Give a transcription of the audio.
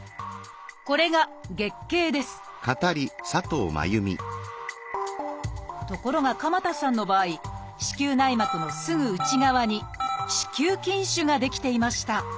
これが「月経」ですところが鎌田さんの場合子宮内膜のすぐ内側に子宮筋腫が出来ていました。